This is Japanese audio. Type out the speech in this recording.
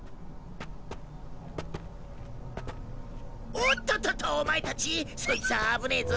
おっとっとっとお前たちそいつは危ねえぞ！